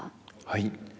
はい。